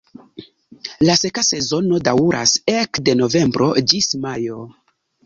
La seka sezono daŭras ekde novembro ĝis majo.